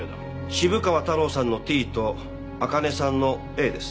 渋川太郎さんの「Ｔ」とあかねさんの「Ａ」です。